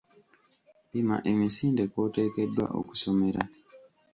Pima emisinde kw'oteekeddwa okusomera.